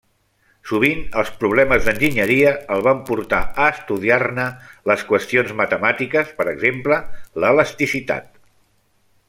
Sovint els problemes d'enginyeria el van portar a estudiar-ne les qüestions matemàtiques, per exemple, l'elasticitat.